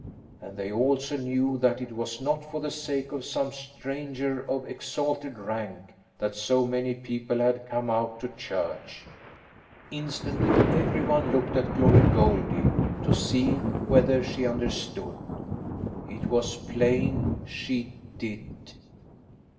And they also knew that it was not for the sake of some stranger of exalted rank that so many people had come out to church. Instantly every one looked at Glory Goldie, to see whether she understood. It was plain she did.